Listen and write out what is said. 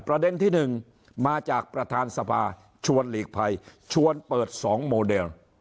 ประเด็นที่๑มาจากประธานสภาชวนหลีกภัยชวนเปิด๒โมเดล